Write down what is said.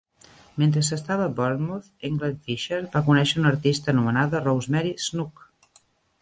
Mentre s'estava a Bournemouth, England Fisher va conèixer una artista anomenada Rosemary Snook.